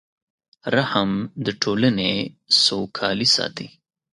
رحم د ټولنې سوکالي ساتي.